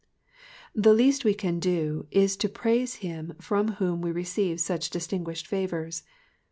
The least we can do is to praise him from whom we receive such distinguished favours.